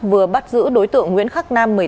vừa bắt giữ đối tượng nguyễn khắc nam